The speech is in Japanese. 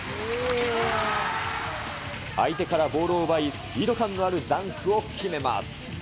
相手からボールを奪い、スピード感のあるダンクを決めます。